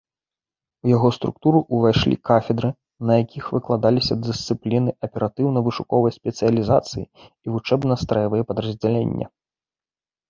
У яго структуру ўвайшлі кафедры, на якіх выкладаліся дысцыпліны аператыўна-вышуковай спецыялізацыі, і вучэбна-страявыя падраздзялення.